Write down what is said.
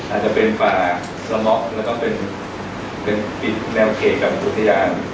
อาจจะเป็นฝาสมกแล้วก็เป็นแววเคสพูทยาน